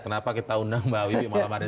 kenapa kita undang mbak wiwi malam hari ini